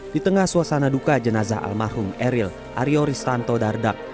di tengah suasana duka jenazah almarhum eril aryo ristanto dardak